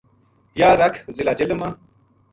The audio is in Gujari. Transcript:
یاہ رَکھ ضلع جہلم ما